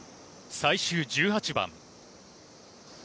最終１８番。